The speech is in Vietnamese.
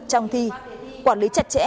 trong thi quản lý chặt chẽ